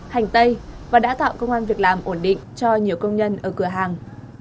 hành tây và đã tạo công an việc làm ổn định cho nhiều công nhân ở cửa hàng